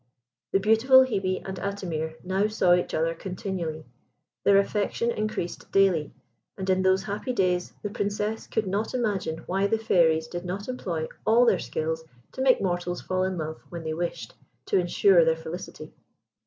The beautiful Hebe and Atimir now saw each other continually; their affection increased daily, and in those happy days the young Princess could not imagine why the Fairies did not employ all their skill to make mortals fall in love when they wished to insure their felicity.